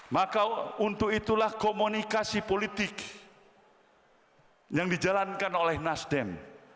maka untuk itulah komunikasi politik yang dijalankan oleh nasdem